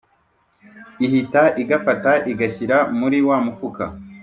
ihita igafata igashyira muri wa mufuka